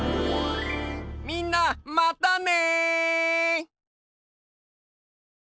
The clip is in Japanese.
みんなまたね！